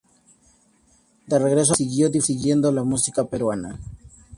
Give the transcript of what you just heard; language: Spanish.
De regreso al Perú siguió difundiendo la música peruana.